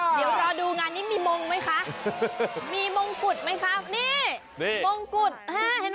เดี๋ยวรอดูงานนี้มีมงไหมคะมีมงกุฎไหมคะนี่มงกุฎฮะเห็นไหม